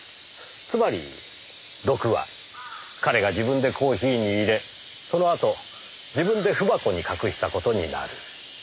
つまり毒は彼が自分でコーヒーに入れそのあと自分で文箱に隠した事になる。